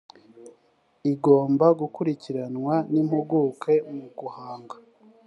igomba gukurikiranwa n impuguke mu guhanga